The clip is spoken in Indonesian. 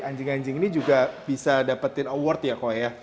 anjing anjing ini juga bisa dapetin award ya kok